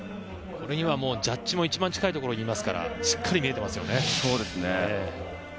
ジャッジも一番近いところにいますからしっかり見えていますよね。